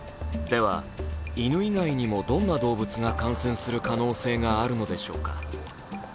では犬以外にもどんな動物が感染する可能性があるのでしょうか。